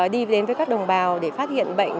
đi đến với các đồng bào để phát hiện bệnh